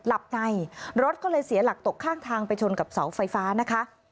หลับในรถก็เลยเสียหลักตกข้างทางไปชนกับเสาไฟฟ้านะคะ